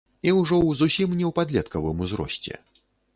І ўжо ў зусім не ў падлеткавым узросце.